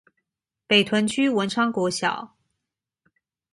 北屯區文昌國小